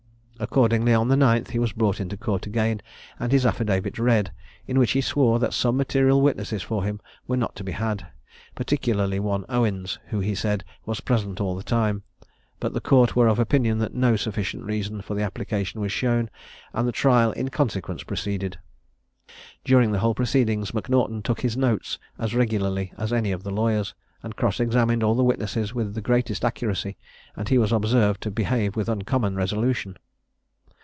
Accordingly, on the 9th, he was brought into Court again, and his affidavit read, in which he swore that some material witnesses for him were not to be had, particularly one Owens, who, he said, was present all the time; but the Court were of opinion that no sufficient reason for the application was shown, and the trial in consequence proceeded. During the whole proceedings M'Naughton took his notes as regularly as any of the lawyers, and cross examined all the witnesses with the greatest accuracy, and he was observed to behave with uncommon resolution.